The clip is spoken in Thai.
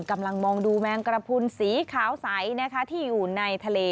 กำลังมองดูแมงกระพุนสีขาวใสนะคะที่อยู่ในทะเล